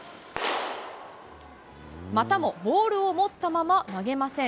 またもボールを持ったまま投げません。